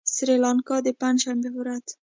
سريلانکا د پنجشنبې په ورځ